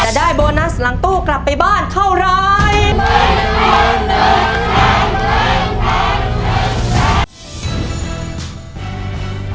ได้โบนัสหลังตู้กลับไปบ้านเท่าไร